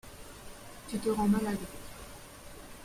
Tu te rends malade.